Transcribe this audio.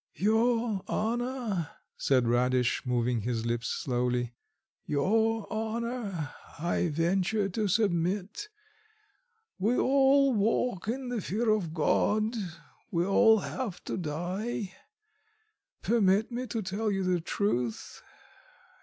"Your honour," said Radish, moving his lips slowly, "your honour, I venture to submit. ... We all walk in the fear of God, we all have to die. ... Permit me to tell you the truth.